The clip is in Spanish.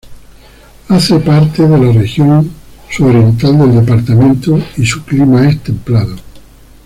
Hace parte de la región sur-oriental del departamento y su clima es templado.